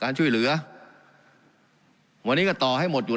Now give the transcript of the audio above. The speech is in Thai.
การปรับปรุงทางพื้นฐานสนามบิน